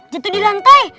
jatuh di lantai